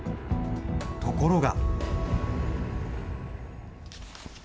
ところが。